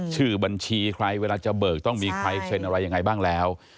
ชื่อบัญชีใครเวลาจะเบิกต้องมีใครเซ็นอะไรยังไงบ้างแล้ว